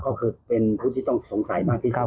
ก็คือเป็นผู้ที่ต้องสงสัยมากที่สุด